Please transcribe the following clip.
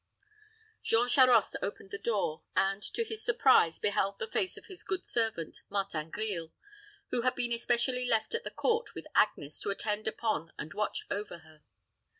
Jean Charost opened the door, and, to his surprise, beheld the face of his good servant, Martin Grille, who had been especially left at the court with Agnes, to attend upon and watch over her.